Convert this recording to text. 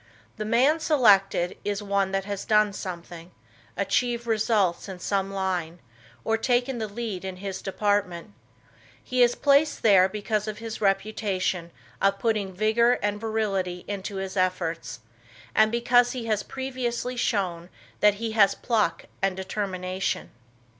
The man selected is one that has done something, achieved results in some line, or taken the lead in his department. He is placed there because of his reputation of putting vigor and virility into his efforts, and because he has previously shown that he has pluck and determination.